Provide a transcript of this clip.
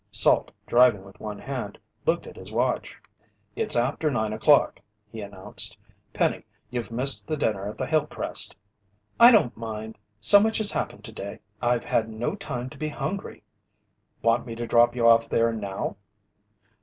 Salt, driving with one hand, looked at his watch. "It's after nine o'clock," he announced. "Penny, you've missed the dinner at the Hillcrest." "I don't mind. So much has happened today, I've had no time to be hungry." "Want me to drop you off there now?"